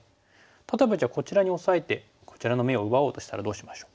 例えばじゃあこちらにオサえてこちらの眼を奪おうとしたらどうしましょう？